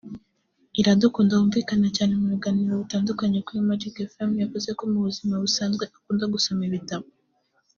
Iradukunda wumvikana cyane mu biganiro bitandukanye kuri Magic Fm yavuze ko mu buzima busanzwe akunda gusoma ibitabo